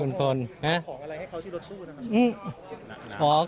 พี่พ่อขออะไรให้เขาที่รถลูกนะครับ